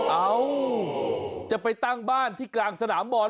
เอ้าจะไปตั้งบ้านที่กลางสนามบอล